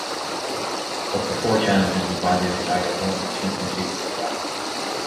Up to four channels may be bonded in either one or two contiguous blocks.